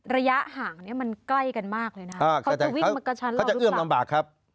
ระยะห่างเนี่ยมันใกล้กันมากเลยนะครับ